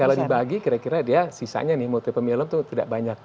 kalau dibagi kira kira dia sisanya nih multipemielom itu tidak banyak